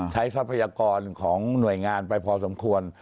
ทรัพยากรของหน่วยงานไปพอสมควร